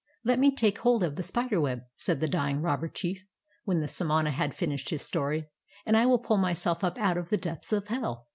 "Let me take hold of the spider web," said the d}'ing robber chief, when the samana had finished his ston , "and I will pull myseh up out of the depths of hell."